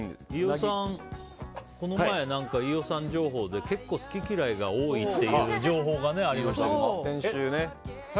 この前、飯尾さん情報で結構、好き嫌いが多いという情報がありましたけど。